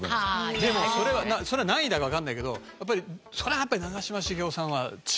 でもそれは何位だかわからないけどそれはやっぱり長嶋茂雄さんは違うもん。